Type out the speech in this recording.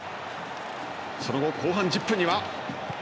その後、後半１０分には。